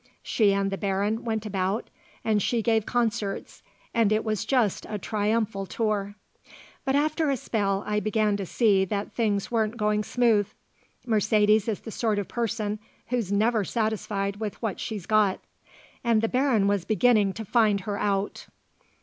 She and the Baron went about and she gave concerts, and it was just a triumphal tour. But after a spell I began to see that things weren't going smooth. Mercedes is the sort of person who's never satisfied with what she's got. And the Baron was beginning to find her out.